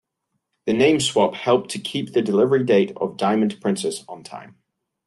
The name swap helped to keep the delivery date of "Diamond Princess" on time.